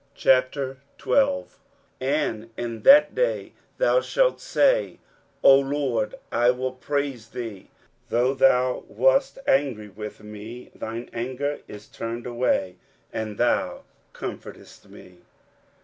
23:012:001 And in that day thou shalt say, O LORD, I will praise thee: though thou wast angry with me, thine anger is turned away, and thou comfortedst me.